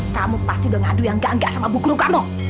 kamu pasti udah ngadu yang gak sama bu guru kamu